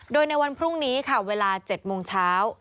โดยในวันพรุ่งนี้ค่ะเวลา๗โมงเช้า